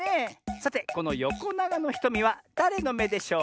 さてこのよこながのひとみはだれのめでしょうか？